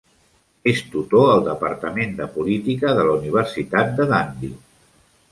És tutor al departament de política de la Universitat de Dundee.